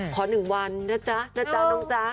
ขอ๑วันนะจ๊ะนะจ๊ะน้องจ๊ะ